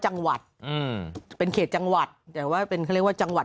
จังหวัดอืมเป็นเขตจังหวัดแต่ว่าเป็นเขาเรียกว่าจังหวัด